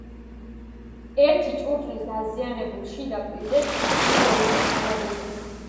ერთი ჭურჭლის დაზიანებულ შიდა პირზე ჩანს ქსოვილის ანაბეჭდი.